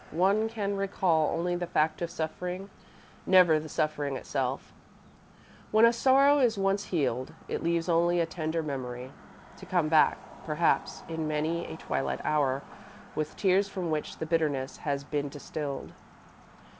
One can recall only the fact of suffering, never the suffering itself. When a sorrow is once healed, it leaves only a tender memory, to come back, perhaps, in many a twilight hour, with tears from which the bitterness has been distilled.